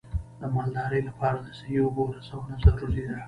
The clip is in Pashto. د مالدارۍ لپاره د صحي اوبو رسونه ضروري ده.